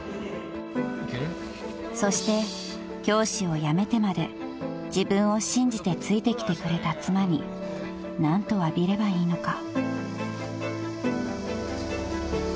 ［そして教師を辞めてまで自分を信じてついてきてくれた妻に何とわびればいいのか？］